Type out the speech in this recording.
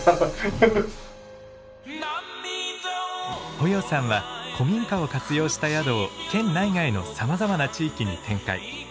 保要さんは古民家を活用した宿を県内外のさまざまな地域に展開。